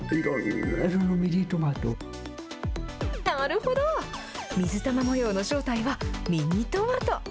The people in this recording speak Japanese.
なるほど、水玉模様の正体はミニトマト。